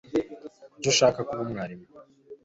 Kuki ushaka kuba umwarimu?